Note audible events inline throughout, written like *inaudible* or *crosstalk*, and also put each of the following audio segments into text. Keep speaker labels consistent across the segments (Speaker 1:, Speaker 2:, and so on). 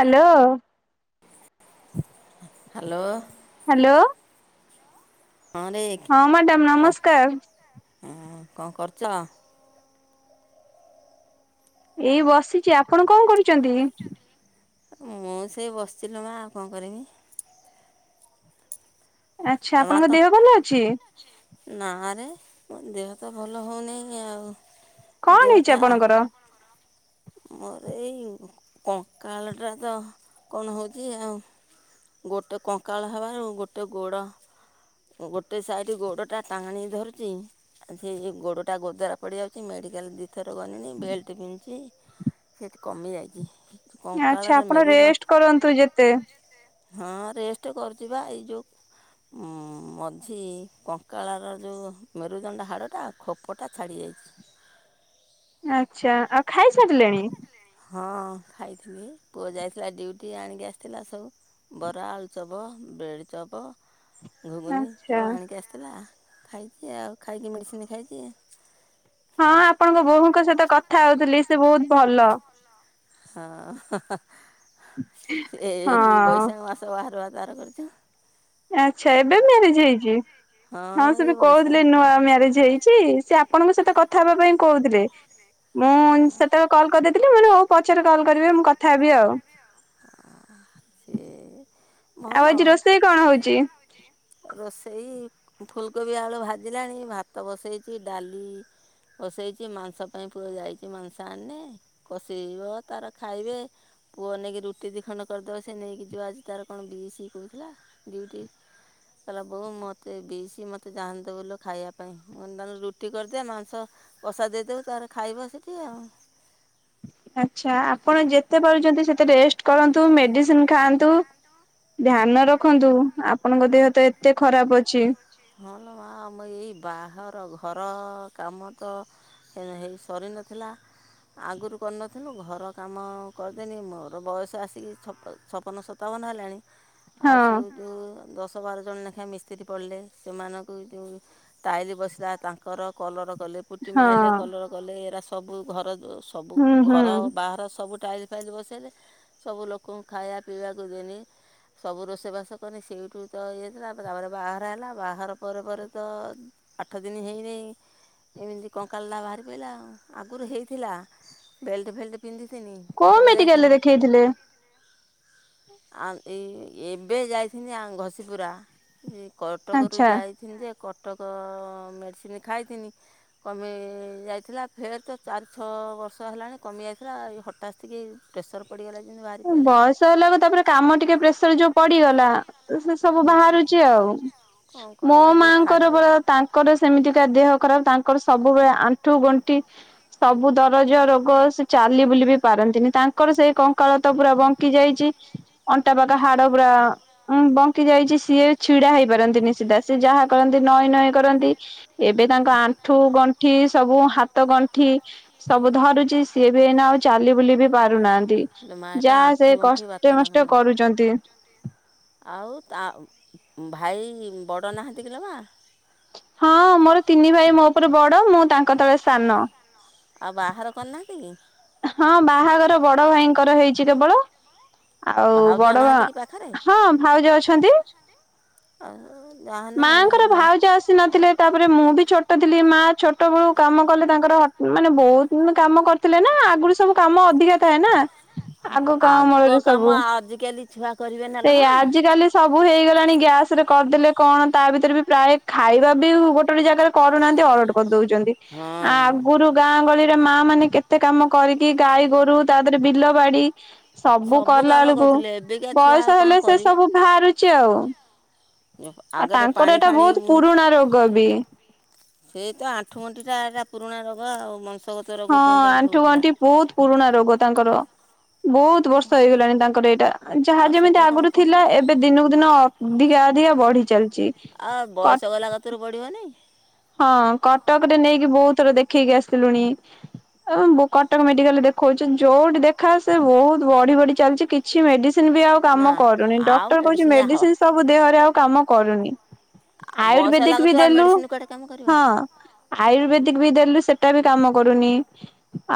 Speaker 1: Hello.
Speaker 2: Hello.
Speaker 1: Hello.
Speaker 2: ହଁରେ
Speaker 1: ହଁ madam ନମସ୍କାର।
Speaker 2: ହ କଣ କରୁଛ?
Speaker 1: ଏଇ ବସିଛି, ଆପଣ କଣ କରୁଛନ୍ତି?
Speaker 2: ମୁଁ ସେଇ ବସିଛି ଲୋ ମା, ଆଉ କଣ କରମି?
Speaker 1: ଆଛା, ଆପଣଙ୍କ ଦେହ ଭଲ ଅଛି?
Speaker 2: ନାରେ, ମୋ ଦେହ ତ ଭଲ ହଉନାହି ଆଉ।
Speaker 1: କଣ ହେଇଛି
Speaker 2: ଦେହଟା
Speaker 1: ଆପଣଙ୍କର?
Speaker 2: ମୋର ଏଇ କଙ୍କାଳଟା ତ କଣ ହଉଛି ଆଉ। ଗୋଟେ କଙ୍କାଳ ହେବାରୁ ଗୋଟେ ଗୋଡ଼ ଗୋଟେ ସାଇଡ ଗୋଡ ଟା ଟାଣୀ ଧରୁଛି। ସେ ଗୋଡଟା ଗୋଦବାର ପଡିଯାଉଛି, ମେଡିକାଲ ଦି ଥର ଗଣିନି, ବେଲ୍ଟ ପିନ୍ଧିଛି, ସେ ଟିକେ କମିଯାଇଛି।
Speaker 1: ଆଚ୍ଛା
Speaker 2: କଙ୍କାଳରେ
Speaker 1: ଆପଣ
Speaker 2: ମେରୁଦଣ୍ଡ
Speaker 1: ରେଷ୍ଟ କରନ୍ତୁ ଯେତେ।
Speaker 2: ହଁ ରେଷ୍ଟ କରୁଚିପା, ଏଇ ଯୋଉ ଉଁ ମଝି କଙ୍କାଳ ର ଯୋଉ ମେରୁଦଣ୍ଡ ହାଡ଼ଟା ଖୋପଟା ଛାଡ଼ି ଯାଇଛି। *inaudible*
Speaker 1: ଆଚ୍ଛା, ଆଉ ଖାଇସାରିଲେଣି?
Speaker 2: ହଁ ଖାଇଥିଲି, ପୁଅ ଯାଇଥିଲା ଡିୟୁଟି ଆଣିକି ଆସିଥିଲା ସବୁ, ବରା, ଆଳୁଚପ୍। Bread chop. ଘୁଗୁନି
Speaker 1: ଆଚ୍ଛା
Speaker 2: ଆଉ ଆଣିକି ଆସିଥିଲା ଖାଇଛି ଆଉ, ଖାଇକି ମେଡ଼ିସିନ ଖାଇଛି।
Speaker 1: ହଁ ଆପଣଙ୍କ ବୋହୂଙ୍କ ସହିତ କଥା ହଉଥିଲି ସେ ବହୁତ ଭଲ।
Speaker 2: ହଁ
Speaker 1: ହଁ
Speaker 2: ଏହିଁ ବୈଶାଖ ମାସ ବାହାଘର। ତାର କରିଥିନି।
Speaker 1: ଆଚ୍ଛା, ଏବେ ମ୍ୟାରେଜ ହେଇଛି, ହଁ ସେବେ
Speaker 2: ଏଇ
Speaker 1: କହୁଥିଲେ
Speaker 2: ବୈଶାଖ
Speaker 1: ନୂଆ ମ୍ୟାରେଜ ହେଇଛି। ସେ ଆପଣଙ୍କ ସହିତ କଥା ହେବା ପାଇଁ କହୁଥିଲେ, ମୁଁ
Speaker 2: ହଁ
Speaker 1: ସେତେବେଳେ କଲ କରିଦଥିଲି। ମୁ ପଛରେ କଲ୍ କରିଵେ, ମୁଁ କଥା ହେବି ଆଉ।
Speaker 2: ସେ।
Speaker 1: ଆଉ ଆଜି ରୋଷେଇ କଣ ହଉଛି?
Speaker 2: ରୋଷେଇ -ଫୁଲକୋବି ଆଳୁ ଭାଜିଲାଣି, ଭାତ ବସେଇଛି, ଡାଲି ବସେଇଛି, ମାଂସ ପାଇଁ ପୁଅ ଯାଇଛି, ମାଂସ ଆଣେ କଷେଇବ, ତାର ଖାଇବେ ପୁଅ ନେଇକି ରୁଟିି ଦି ଖଣ୍ଡ କରିଦବ ସେ ନେଇକି ଯିବ ଆଜି ତାର କଣ ବି ସି କହୁଥିଲା ଡ଼ିଉଟି ହଁ କହିଲା ବୋଉ ମତେ ବି ସି ମତେ ଯାଆହେନେ ଦବୁଲୋ ଖାଇବା ପାଇଁ ମୁଁ କହନି ତାହାଲେ ରୁଟି କରିଦିଅ ମାଂସ କଷା ଦେଇଦେବୁ ତାର ଖାଇବ ସେଠି ଆଉ।
Speaker 1: ଆଛା ଆପଣ ଯେତେ ପାରୁଛନ୍ତି ସେତେ ରେଷ୍ଟ କରନ୍ତୁ ମେଡିସିନ ଖାଆନ୍ତୁ। ଧ୍ୟାନ ରଖନ୍ତୁ ଆପଣଙ୍କ ଦେହ ତ ଏତେ ଖରାପ ଅଛି।
Speaker 2: ହଁ ଲୋ ମା ଆମ ଏଇ ବାହାର ଘର କାମ ତ ହେ ସରି ନଥିଲା ଆଗରୁ କରିନଥିଲୁ ଘର କାମ କରିଦେନି ମୋର ବୟସ ଆସିକି ଛପ ଛପନ ସତାବନ ହେଲାଣି। ଆଉ
Speaker 1: ହଁ
Speaker 2: ସଉଟୁ ଦଶ ବାର ଜଣ ଲେଖାଁ ମିସ୍ତ୍ରୀ ପଡ଼ିଲେ ସେମାନଙ୍କୁ ଜୋଉ ଟାଇଲ ବସିଲା ତାଙ୍କର କଲର କଲେ ପୁଟି
Speaker 1: ହଁ
Speaker 2: ମାଇଲେ କଲର କଲେ ଏରା ସବୁ ଘର ଜୋ ସବୁ
Speaker 1: ହୁଁ ହୁଁ
Speaker 2: ଘର ବାହାର ସବୁ ଟାଇଲ ଫାଇଲ ବସେଇଲେ ସବୁ ଲୋକଙ୍କୁ ଖାଇବା ପିଇବାକୁ ଦେନି ସବୁ ରୋଷେଇବାସ କନି ସେଇଠୁ ତ ଇଏ ଥିଲା ତାପରେ ବାହାର ହେଲା ବାହାଘର ପରେ ପରେ ତ ଆଠ ଦିନ ହେଇନେଇ ଏମିତି କଙ୍କାଳଟା ବାହାରି ପଡ଼ିଲାଉ ଆଗରୁ ହେଇଥିଲା ବେଲ୍ଟ ଫେଲ୍ଟ ପିନ୍ଧିଥିନି
Speaker 1: କୋଉ
Speaker 2: କଟକ
Speaker 1: ମେଡିକାଲରେ
Speaker 2: ଯାଇଥିନି
Speaker 1: ଦେଖେଇଥିଲେ?
Speaker 2: ଆଉ ଏଇ ଏବେ ଯାଈଥିନି ଆଉ ଘଷିପୁରା ଯେ କଟକରୁ
Speaker 1: ଆଚ୍ଛା
Speaker 2: ଯାଇଥିନି ଯେ କଟକ ମେଡ଼ିସିନ ଖାଇଥିନି କମି ଯାଇଥିଲା ଫେର୍ ତ ଚାରି ଛଅ ଛ ବର୍ଷ ହେଲାଣି କମି ଯାଇଥିଲା ଏଇ ହଟାତଶ କି ପ୍ରେସର ପଡିଗଲା ଯେ
Speaker 1: ବୟସ ହେଲାକୁ ତାପରେ କାମ ଟିକେ ପ୍ରେସର ଯୋଉ ପଡିଗଲା ଏ ସେ ସବୁ
Speaker 2: ହଁ
Speaker 1: ବାହାରୁଛି ଆଉ।
Speaker 2: କଣ
Speaker 1: ମୋ
Speaker 2: କରିବା ଯୋଉ
Speaker 1: ମାଙ୍କର
Speaker 2: ଖାଦ୍ୟ।
Speaker 1: ପରା ତାଙ୍କର ସେମିତିକା ଦେହ ଖରାପ ତାଙ୍କ ଙ୍କର ସବୁବେଳେ ଆଣ୍ଠୁ ଗଣ୍ଠି ସବୁ ଦରଜ ରୋଗ ସେ ଚାଲି ବୁଲି ବି ପାରନ୍ତିନି ତା ତାଙ୍କର ସେଇ କଙ୍କ ଙ୍କାଳ ତ ପୁରା ବଙ୍କି ଯାଇଛି ଅଣ୍ଟା ପାଖ ହାଡ ପୁରା ଉଁ ବଙ୍କି ଯାଇଛି ସିଏ ଛି ଛିଡ଼ା ହେଇପାରନ୍ତିନି ସିଧା ସେ ଯାହା କରନ୍ତି ନଈ ନଈ କରନ୍ତି ଏବେ ତାଙ୍କ ଆଣ୍ଠୁ ଗଣ୍ଠି ସ ସବୁ ହାତ ଗଣ୍ଠି ସବୁ ଧରୁଛି ସିଏ ବି ଏଇନା ଆଉ ଚାଲି ବୁଲି ବି ପାରୁନାହାନ୍ତି। କି
Speaker 2: ଲୋ ମା ଏଟା
Speaker 1: ଯାହା ସେ
Speaker 2: ଆଣ୍ଠୁ ଗଣ୍ଠି ବାତ
Speaker 1: କଷ୍ଟେ
Speaker 2: ନା କଣ?
Speaker 1: ମଷ୍ଟେ କରୁଚନ୍ତି।
Speaker 2: ଆଉ ତା ମ ଭାଇ ବଡ଼ ନାହାନ୍ତି କିଲୋ ମା?
Speaker 1: ହଁ ମୋର ତିନି ଭାଇ ମୋ ଉପରେ ବଡ ମୁଁ ତାଙ୍କ ତଳେ ସାନ।
Speaker 2: ଆଉ ବାହାଘର କରିନାହାନ୍ତି କି?
Speaker 1: ହଁ ବାହାଘର ବଡ ଭାଇଙ୍କର ହେଇଛି କେବଳ ଆଉ
Speaker 2: ଭାଉଜ
Speaker 1: ବଡ ବା
Speaker 2: ନାହାନ୍ତି କି ପାଖରେ?
Speaker 1: ହଁ ଭାଉଜ ଅଛନ୍ତି।
Speaker 2: *unintelligible*
Speaker 1: ମାଆଙ୍କର
Speaker 2: ମା
Speaker 1: ଭାଉଜ ଆସି ନଥିଲେ ତାପରେ ମୁଁ ବି ଛୋଟ ଥିଲି ମା ଛୋଟ ବେଳୁ କାମ କଲେ ତାଙ୍କର ମାନେ ବହୁତ କାମ କରିୁଥିଲେ ନା ଆଗରୁ ସବୁ କାମ ଅଧିକା ଥାଏ ନା ଆଗ ଗାଁ
Speaker 2: ଆଗ
Speaker 1: ମୂଳରେ ସବୁ
Speaker 2: କାମ ଆଜିକାଲି ଛୁ
Speaker 1: ସେଇ ଆଜିକାଲି ସବୁ ହେଇଗଲାଣି ଗ୍ୟାସ ସରେ କରିଦେଲେ କଣ ତା ଭିତରେ ବି ପ୍ରାୟ ଖାଇବା ବି ଗୋଟେ ଗୋଟେ ଜାଗାରେ କରୁନାହାନ୍ତି ଅରର୍ଡ କରିଦଉଛ ଚନ୍ତି
Speaker 2: ହଁ
Speaker 1: ଆଗରୁ ଗାଁ ଗହଳିରେ ମା ମାନେ କେତେ କାମ କରିକି ଗାଈ ଗୋରୁ ତା ଦେହରେ ବିଲ ବାଡି ସବୁ କଲା
Speaker 2: କାମ
Speaker 1: ବେଳକୁ
Speaker 2: କରୁଥିଲେ ଏବେକା ଛୁଆ ଆଉ
Speaker 1: ବୟସ
Speaker 2: କ'ଣ
Speaker 1: ହେଲେ ସେ
Speaker 2: କରିବେ
Speaker 1: ସବୁ ଭାହାରୁଚି ଆଉ। ଆଉ
Speaker 2: ଆଗରେ
Speaker 1: ତାଙ୍କର
Speaker 2: ପାଣି
Speaker 1: ଏଇଟା
Speaker 2: ଫାଣି
Speaker 1: ବହୁତ
Speaker 2: ହୁହନ୍ତି
Speaker 1: ପୁରୁଣା ରୋଗ ବି।
Speaker 2: ସେଇ ତ ଆଣ୍ଠୁଗଣ୍ଠିଟା ଏରା ପୁରୁଣା ରୋଗ ଆଉ ବଂଶ
Speaker 1: ହଁ ଆଣ୍ଠୁ ଗଣ୍ଠି ବହୁତ ପୁରୁଣା ରୋଗ ତାଙ୍କର ବହୁତ ବର୍ଷ ହେଇଗଲାଣି ତାଙ୍କର ଏଇଟା ଯାହା
Speaker 2: ଆଉ
Speaker 1: ଯେମିତି
Speaker 2: ସେଟା କ'ଣ
Speaker 1: ଆଗରୁ
Speaker 2: କମିବ
Speaker 1: ଥିଲା ଏବେ ଦିନକୁ ଦିନ ଅଧିକା ଅଧିକା କା ବଢି ଚାଲିଚି
Speaker 2: ଆ ବୟସ ଗଲା କତିରୁ ବଢିବନି।
Speaker 1: ହଁ କଟକ ରେ ନେଇକି ବହୁତ ଥର ଦେଖେଇକି ଆସିଲୁଣି। କଟକ ମେଡିକାଲ୍ ରେ ଦେଖଉଛି ଯୋଉଠି ଦେଖା ସେ ବହୁତ ବଢି ବଢି ଚାଲିଛି କିଛି ମେଡିସିନ୍ ସିନ୍ ବି ଆଉ
Speaker 2: ନା
Speaker 1: କାମ କରୁନି
Speaker 2: ଆଉ
Speaker 1: ଡକ୍ଟର କହୁଚି
Speaker 2: ହବ
Speaker 1: ମେଡ଼ିସିନ୍ ସବୁ ଦେହରେ ଆଉ କାମ କରୁନି।
Speaker 2: ବୟସ ହେଲା
Speaker 1: ଆୟୁର୍ବେଦିକ୍ ବି
Speaker 2: କତୁରୁ ଆଉ
Speaker 1: ଦେଲୁ
Speaker 2: ମେଡ଼ିସିନ୍ କୁଆଡ଼େ କାମ କରିବ
Speaker 1: ହଁ ଆୟୁର୍ବେଦିକ୍ ବି ଦେଲୁ ସେଟା ବି କାମ କରୁନି।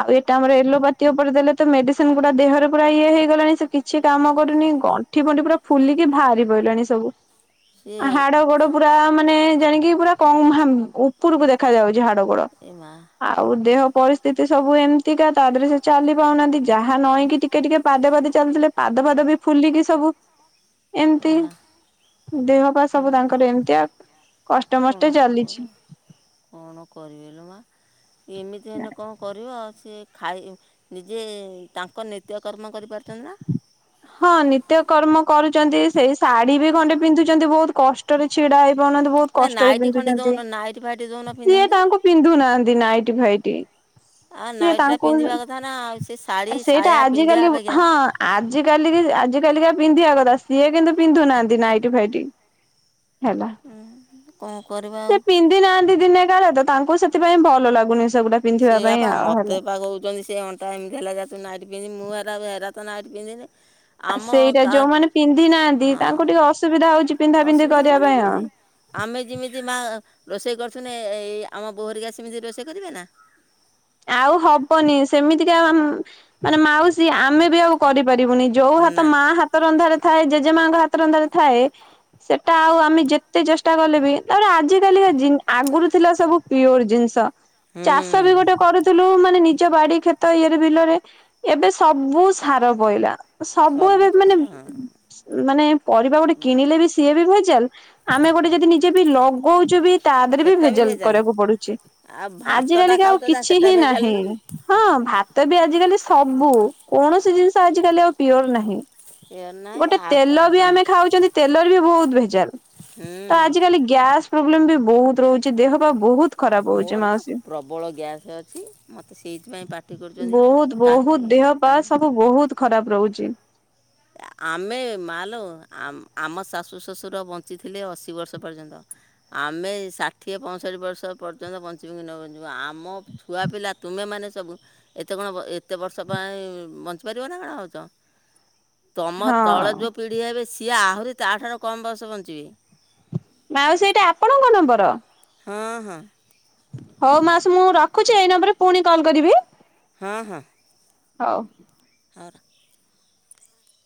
Speaker 1: ଆଉ ଏଇଟା ଆମର ଏଲୋପାତି ଉପରେ ଦେଲେ ତ ମେଡ଼ିସିନ୍ ଗୁଡ଼ା ଦେହରେ ପୁରା ଇଏ ହେଇଗଲାଣି ସେ କିଛି କାମ କରୁନି। ଗଣ୍ଠି ଫଣ୍ଠି ପୁରା ଫୁଲିକି ବାହାରି ପଇଲାଣି ସବୁ।
Speaker 2: ସିଏ
Speaker 1: ହାଡ଼ ଗୋଡ଼ ପୁରା ମାନେ ଜାଣିକି ପୁରା କମ୍ ହାମ୍ ଉପରକୁ ଦେଖାଯାଉଚି ହାଡ଼ ଗୋଡ଼
Speaker 2: ଏ ମା
Speaker 1: ଆଉ ଦେହ ପରିସ୍ଥିତି ସବୁ ଏମିତିକା ତା ଦେହରେ ସେ ଚାଲି ପାଉନାହାନ୍ତି ଯାହା ନଇଁ କି ଟିକେ ଟିକେ ପାଦେ ପାଦେ ଚାଲୁଥିଲେ ପା ପାଦ ଫାଦ ବି ଫୁଲିକି ସବୁ
Speaker 2: *inaudible*
Speaker 1: ଏମତି
Speaker 2: ମା
Speaker 1: ଦେହ ପା
Speaker 2: ଏ
Speaker 1: ସବୁ
Speaker 2: ମା
Speaker 1: ତାଙ୍କର ଏମିତିଆ କଷ୍ଟେ
Speaker 2: କ'ଣ
Speaker 1: ମଷ୍ଟେ ଚାଲିଚି।
Speaker 2: କଣ କରିବେଲ ମା ଏମିତି ହେଲେ କଣ କରିବ ସିଏ ଖାଇ ନିଜେ ତାଙ୍କ ନିତ୍ୟକର୍ମ କରିପାରୁଚନ୍ତି ନା।
Speaker 1: ହଁ ନିତ୍ୟକର୍ମ କରୁଚନ୍ତି ସେଇ ଶାଢୀ ବି ଖଣ୍ଡେ ପିନ୍ଧୁଚନ୍ତି ବହୁତ କଷ୍ଟରେ ଛିଡ଼ା ହେଇ ବୋଉ ଅନାନ୍ତୁ ବହୁତ
Speaker 2: ନା
Speaker 1: କଷ୍ଟରେ
Speaker 2: ନାଇଟି ଖଣ୍ଡେ
Speaker 1: ପିନ୍ଧୁଛନ୍ତି
Speaker 2: ଦେଉନ ନାଇଟି ଫାଇଟି ଦେଉନ
Speaker 1: ସିଏ
Speaker 2: ପିନ୍ଧନ୍ତେ
Speaker 1: ତାଙ୍କୁ ପିନ୍ଧୁନାହାନ୍ତି ନାଇଟି ଫାଇ
Speaker 2: ଆଉ
Speaker 1: ସିଏ
Speaker 2: ନାଇଟିଟା
Speaker 1: ତାଙ୍କୁ
Speaker 2: ପିନ୍ଧିବା କଥା ନା ଆଉ ସେ ଶାଢ଼ୀ
Speaker 1: ସେଇଟା
Speaker 2: ସାୟା ପିନ୍ଧିବା
Speaker 1: ଆଜିିକାଲି ହଁ
Speaker 2: ଅପେକ୍ଷା
Speaker 1: ଆ ଆଜି କାଲିକି ଆଜି କାଲିକା ପିନ୍ଧିବା କଥା ସିଏ କିନ୍ତୁ ପିନ୍ଧୁ ନାହାନ୍ତି ନାଇଟି ଫାଇଟି। ହେଲା
Speaker 2: କ'ଣ କରିବା ଆଉ
Speaker 1: ସେ ପିନ୍ଧି ନାହାନ୍ତି ଦିନେ କାଳେ ତ ତାଙ୍କୁ ସେଥିପାଇଁ ଭଲ ଲାଗୁନି ସେଗୁଡା ପିନ୍ଧିବା ପାଇଁ
Speaker 2: ସେଇଆପା
Speaker 1: ଆଉ
Speaker 2: ମତେ
Speaker 1: ହେଲା।
Speaker 2: ପା କହୁଛନ୍ତି ସେ ଅଣ୍ଟା ଏମିତି ହେଲା ଯା ତୁ ନାଇଟି ପିନ୍ଧି ମୁଁ ହେରା ହେରା ତ ନାଇଟ ପିନ୍ଧିନି।
Speaker 1: ଆ
Speaker 2: ଆମ
Speaker 1: ସେଇଟା
Speaker 2: କା
Speaker 1: ଯୋଉମାନେ ପିନ୍ଧି ନାହାନ୍ତି ତାଙ୍କୁ ଟିକେ ଅସୁବିଧା ହଉଚି
Speaker 2: ଅସୁବିଧା ହବନି କେମିତି ଆମେ ଯେମିତି ମା ରୋଷେଇ କରୁଥୁନେ ଏ ଆମ ବୋହୂ ହେରିକା ସେମିତି ରୋଷେଇ କରିବେ ନା।
Speaker 1: ଆଉ ହବନି ସେମିତିକା ମାନେ ମାଉସୀ ଆମେ ବି ଆଉ କରି ପାରିବୁନି ଯୋଉ ହାତ
Speaker 2: ନା
Speaker 1: ମା ହାତ ରନ୍ଧାରେ ଥାଏ ଜେଜେ ମାଙ୍କ ହାତ ରନ୍ଧାରେ ଥାଏ ସେଟା ଆଉ ଆମେ ଯେତେ ଚେଷ୍ଟା କଲେ ବି ତାପରେ ଆଜିକାଲି ଆଗରୁ ଥିଲା ସବୁ ପିଓର ଜିନିଷ।
Speaker 2: ହୁଁ।
Speaker 1: ଚାଷ ବି ଗୋଟେ କରୁଥିଲୁ ମାନେ ନିଜ ବାଡ଼ି କ୍ଷେତ ଇଏରେ ବିଲରେ ଏବେ ସବୁ ସାର ପଇଲା। ସବୁ ଏବେ
Speaker 2: ତ
Speaker 1: ମାନେ
Speaker 2: ହଁ
Speaker 1: ମାନେ ପରିବା ଗୋଟେ କିଣିଲେ ବି ସିଏ ବି ଭେ ଯାଲ୍ ଆମେ ଗୋଟେ ଯଦି ନିଜେ ବି ଲଗଉଚେ ବି ତା ଦେହରେ ବି
Speaker 2: ସେଟା
Speaker 1: ଭେଜାଲ୍
Speaker 2: ଭେଜାଲ
Speaker 1: କରିବାକୁ ପଡ଼ୁଚି
Speaker 2: ଆଉ
Speaker 1: ଆଜି
Speaker 2: ଭାତଟା
Speaker 1: କାଲିକା ଆଉ
Speaker 2: ଖାଉଛ ଯା ସେଟା
Speaker 1: ତିହି
Speaker 2: ଭେଜାଲ
Speaker 1: ନାହିଁ
Speaker 2: ନୁହେଁ
Speaker 1: ହଁ ଭାତ ବି ଆଜିକାଲି ସବୁ କୌଣସି ଜିନିଷ ଆଜି କାଲି ଆଉ ପିଓର ନାହିଁ।
Speaker 2: କି ଏ
Speaker 1: ଗୋଟେ ତେଲ ବି
Speaker 2: ନାହିଁ
Speaker 1: ଆମେ ଖାଉଚନ୍ତି ତେଲରେ ବି ବହୁତ ଭେଜାଲ୍। ତ
Speaker 2: ହୁଁ
Speaker 1: ଆଜି କାଲି ଗ୍ୟାସ ପ୍ରୋବ୍ଲେମ୍ ବି ବହୁତ ରହୁଚି ଦେହ ପା ବହୁତ୍
Speaker 2: ମୋର ପା ପ୍ରବଳ ଗ୍ୟାସ୍ ଅଛି ମୋତେ ସେଇଥିପାଇଁ ପାଟି କରୁଚନ୍ତି
Speaker 1: ବହୁତ ବହୁତ
Speaker 2: କାଲି
Speaker 1: ଦେହ ପା
Speaker 2: କା
Speaker 1: ସବୁ ବହୁତ ଖରାପ ରହୁଚି।
Speaker 2: *inaudible* ଆମେ ମାଲୋ ଆ ଆମ ଶାଶୁ ଶ୍ୱଶୁର ବଞ୍ଚିଥିଲେ ଅଶୀ ବର୍ଷ ପର୍ଯ୍ୟନ୍ତ ଆ ଆମେ ଷାଠିଏ ପଞ୍ଚଁଷଠି ବର୍ଷ ପର୍ଯ୍ୟନ୍ତ ବଞ୍ଚିବୁ କି ନ ବଞ୍ଚିବୁ ଆମ ଛୁଆ ପିଲା ତୁମେମାନେ ସ ସବୁ ଏତେ କଣ ଏତେ ବର୍ଷ ପାଇଁ ବଞ୍ଚିପାରିବ ନା କଣ ଭାବୁଛ। ତମ
Speaker 1: ହଁ।
Speaker 2: ତଳେ ଯଉଁ ପିଢ଼ି ହେବେ ସିଏ ଆହୁରି ତାଠାରୁ କମ୍ ବୟସ ବଞ୍ଚିବେ।
Speaker 1: ମାଉସୀ ଏଇଟା ଆପଣଙ୍କ ନମ୍ବର।
Speaker 2: ହଁ ହଁ।
Speaker 1: ହଉ ମାଉସୀ ମୁଁ ରଖୁଛି ଏଇ ନମ୍ବରରେ ପୁଣି କଲ କରିବି?
Speaker 2: ହଁ ହଁ।
Speaker 1: ହୋଉ
Speaker 2: *inaudible*